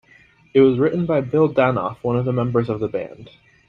It was written by Bill Danoff, one of the members of the band.